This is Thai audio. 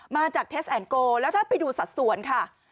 มาจากเทสแอนโกแล้วถ้าไปดูสัดส่วนค่ะ